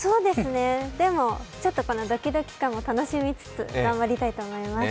でもちょっとこのドキドキ感も楽しみつつ頑張りたいと思います。